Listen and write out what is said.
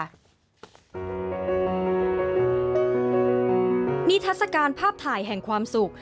นิทัศกาลภาพถ่ายแห่งความสุข